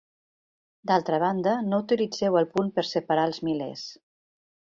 D'altra banda no utilitzeu el punt per separar els milers.